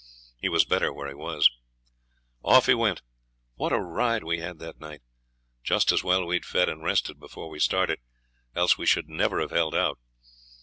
He was better where he was. Off we went; what a ride we had that night! Just as well we'd fed and rested before we started, else we should never have held out.